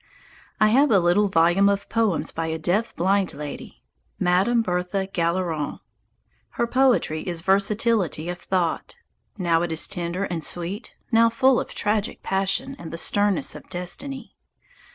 I have a little volume of poems by a deaf blind lady, Madame Bertha Galeron. Her poetry has versatility of thought. Now it is tender and sweet, now full of tragic passion and the sternness of destiny.